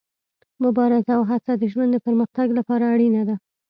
مبارزه او هڅه د ژوند د پرمختګ لپاره اړینه ده.